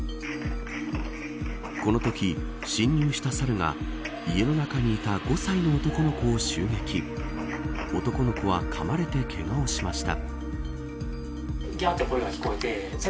このとき、侵入した猿が家の中にいた５歳の男の子を襲撃男の子はかまれてけがをしました。